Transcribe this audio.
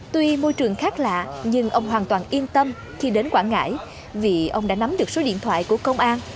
tuy môi trường khác lạ nhưng ông hoàn toàn yên tâm khi đến quảng ngãi vì ông đã nắm được số điện thoại của công an